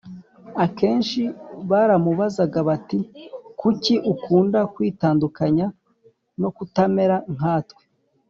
Akenshi baramubazaga bati, Kuki ukunda kwitandukanya, no kutamera nkatwe